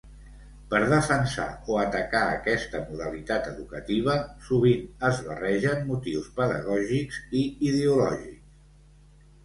Per defensar o atacar aquesta modalitat educativa sovint es barregen motius pedagògics i ideològics.